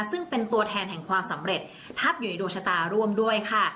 ซึ่งเป็นตัวแทนแห่งความสำเร็จทับอยู่ในดวงชะตาร่วมด้วยค่ะ